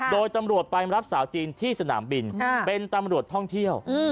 โดยตำรวจไปรับสาวจีนที่สนามบินเป็นตำรวจท่องเที่ยว